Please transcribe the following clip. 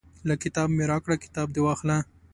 لکه کتاب مې راکړه کتاب دې واخله.